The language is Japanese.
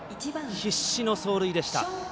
必死の走塁でした。